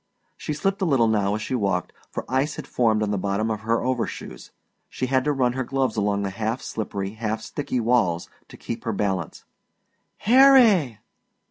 She slipped a little now as she walked, for ice had formed on the bottom of her overshoes; she had to run her gloves along the half slippery, half sticky walls to keep her balance. "Harry!"